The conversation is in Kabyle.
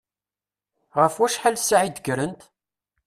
Ɣef wacḥal ssaɛa i d-kkrent?